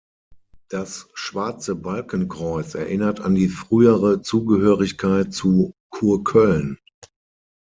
Das schwarze Balkenkreuz erinnert an die frühere Zugehörigkeit zu Kurköln.